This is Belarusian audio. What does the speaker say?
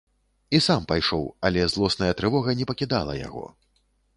І сам пайшоў, але злосная трывога не пакідала яго.